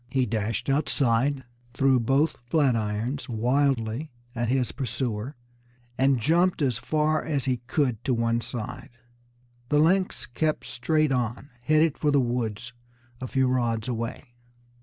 He dashed outside, threw both flat irons wildly at his pursuer, and jumped as far as he could to one side. The lynx kept straight on, headed for the woods a few rods away.